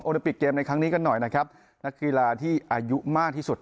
ลิปิกเกมในครั้งนี้กันหน่อยนะครับนักกีฬาที่อายุมากที่สุด